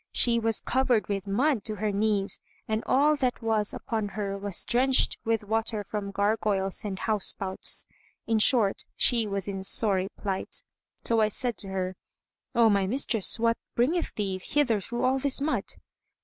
She was covered with mud to her knees and all that was upon her was drenched with water from gargoyles[FN#171] and house spouts; in short, she was in sorry plight. So I said to her, "O my mistress, what bringeth thee hither through all this mud?"